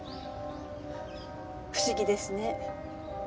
不思議ですね。